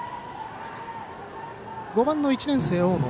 ５番の１年生、大野。